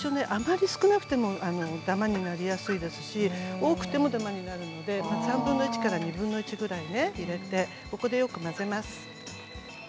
あまり少なくてもダマになりますし多くてもダマになるので３分の１から２分の１くらい入れてここでよく混ぜます。